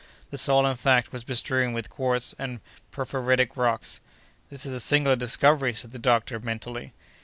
The soil, in fact, was bestrewn with quartz and porphyritic rocks. "This is a singular discovery!" said the doctor, mentally.